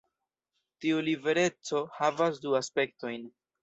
Tiu libereco havas du aspektojn.